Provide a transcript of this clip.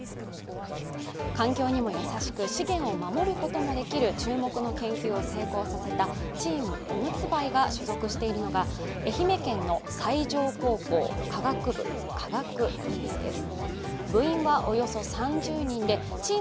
環境にも優しく、資源を守ることもできる注目の研究を成功させたチームおむつ灰が所属しているのが愛媛県の西条高校科学部化学分野です。